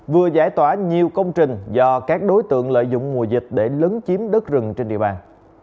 vừa giải tỏa nhiều công trình do các đối tượng lợi dụng mùa dịch để lấn chiếm đất rừng trên địa bàn